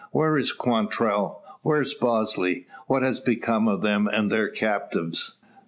Where is Quantrell? Where Bosley? What has become of them, and their captives?